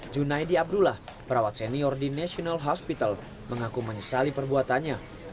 junaidi abdullah perawat senior di national hospital mengaku menyesali perbuatannya